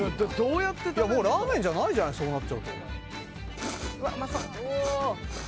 もうラーメンじゃないじゃないそうなっちゃうとうわっうま